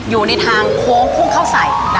อยู่ในทางโค้งพุ่งเข้าใส่